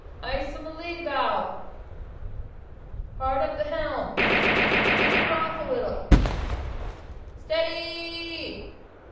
"Ice on the lee bow!" "Hard up the helm!" "Keep her off a little!" "Stead y!"